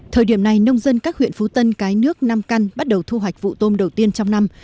thời điểm này nông dân các huyện phú tân cái nước nam căn bắt đầu thu hoạch vụ tôm đầu tiên trong năm